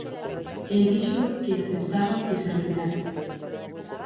El dixo que aceptaba que se retirase.